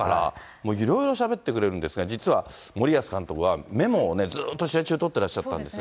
もういろいろしゃべってくれるんですが、実は森保監督はメモをね、ずっと試合中取ってらっしゃったんですが。